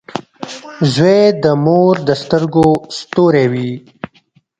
• زوی د مور د سترګو ستوری وي.